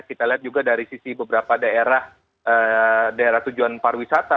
kita lihat juga dari sisi beberapa daerah tujuan pariwisata